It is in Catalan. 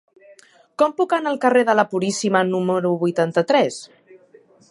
Com puc anar al carrer de la Puríssima número vuitanta-tres?